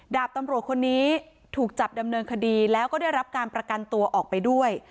ดาบตำรวจคนนี้ถูกจับดำเนินคดีแล้วก็ได้รับการประกันตัวออกไปด้วย